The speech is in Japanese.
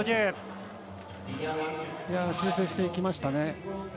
修正していきましたね。